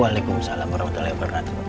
waalaikumsalam warahmatullahi wabarakatuh